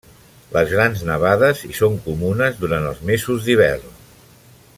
Les grans nevades hi són comunes durant els mesos d'hivern.